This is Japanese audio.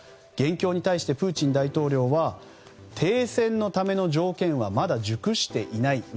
現況に対してプーチン大統領は停戦のための条件はまだ熟していない。